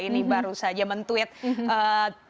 ini baru saja mentweet